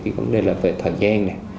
cái vấn đề là về thời gian